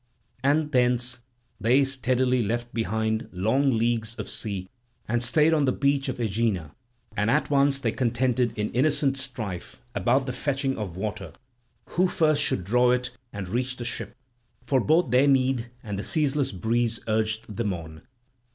And thence they steadily left behind long leagues of sea and stayed on the beach of Aegina; and at once they contended in innocent strife about the fetching of water, who first should draw it and reach the ship. For both their need and the ceaseless breeze urged them on.